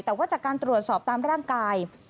แต่ว่าจากการตรวจสอบตามร่างกาย